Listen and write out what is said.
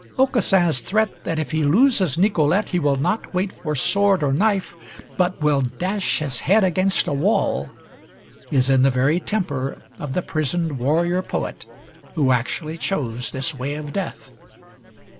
Aucassin's threat that if he loses Nicolete he will not wait for sword or knife, but will dash his head against a wall, is in the very temper of the prisoned warrior poet, who actually chose this way of death.